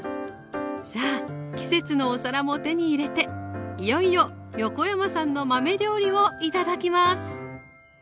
さあ季節のお皿も手に入れていよいよ横山さんの豆料理を頂きます。